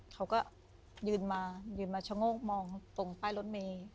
เขาก็ยืนมายืนมาชะโงกมองตรงป้ายรถเมย์